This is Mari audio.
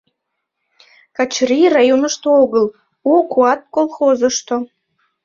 Качырий районышто огыл, «У куат» колхозышто...